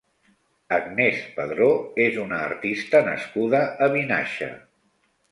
Agnés Padró és una artista nascuda a Vinaixa.